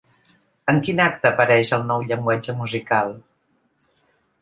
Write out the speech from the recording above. En quin acte apareix el nou llenguatge musical?